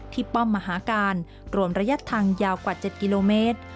ป้อมมหาการรวมระยะทางยาวกว่า๗กิโลเมตร